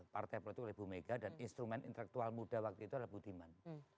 partai politik oleh bu mega dan instrumen intelektual muda waktu itu adalah budiman